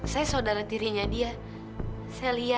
saya saudara tirinya dia